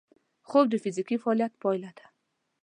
خوب د فزیکي فعالیت پایله ده